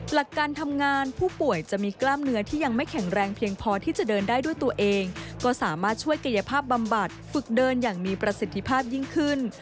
หลักการทำงานผู้ป่วยจะมีกล้ามเนื้อที่ยังไม่แข็งแรงเพียงพอที่จะเดินได้ด้วยตัวเองก็สามารถช่วยกายภาพบำบัดฝึกเดินอย่างมีประสิทธิภาพยิ่งขึ้น